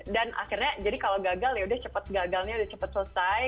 dan akhirnya jadi kalau gagal ya udah cepet gagalnya udah cepet selesai